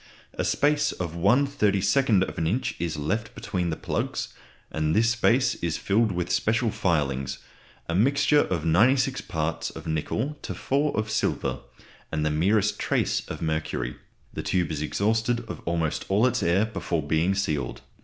A space of 1/32 inch is left between the plugs, and this space is filled with special filings, a mixture of 96 parts of nickel to 4 of silver, and the merest trace of mercury. The tube is exhausted of almost all its air before being sealed.